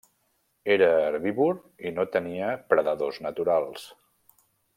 Era herbívor i no tenia predadors naturals.